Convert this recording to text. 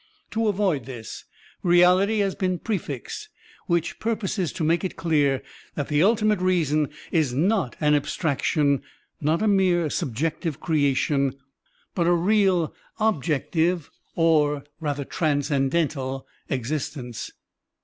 To avoid this, reality*' has been prefixed, which purposes to make it clear that the ultimate reason is not an abstraction, not a mere subjective creation, but a real objective (or rather transcendental) existence.